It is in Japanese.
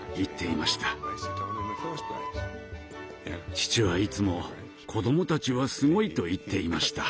父はいつも「子供たちはすごい」と言っていました。